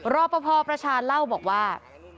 รอปภประชาเล่าบอกว่า